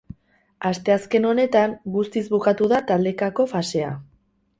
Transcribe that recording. Asteazken honetan guztiz bukatu da taldekako fasea.